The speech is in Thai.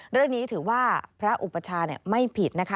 เรื่องนี้ถือว่าพระอุปชาไม่ผิดนะคะ